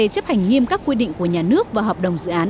chấp hành nghiêm các quy định của nhà nước và hợp đồng dự án